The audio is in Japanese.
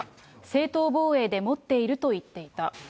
正当防衛で持っていると言っていた。